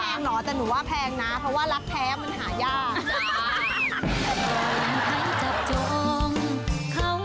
เหรอแต่หนูว่าแพงนะเพราะว่ารักแท้มันหายาก